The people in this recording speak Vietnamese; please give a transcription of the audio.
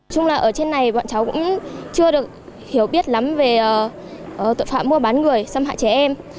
trung là ở trên này bọn cháu cũng chưa được hiểu biết lắm về tội phạm mua bán người xâm hại trẻ em